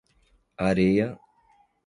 Areia